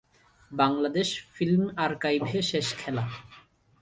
Bangladesh film আর্কাইভে শেষ খেলা